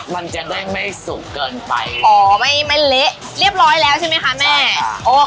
มันจะได้ไม่สุกเกินไปอ๋อไม่ไม่เละเรียบร้อยแล้วใช่ไหมคะแม่